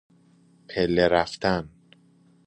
پله رفتن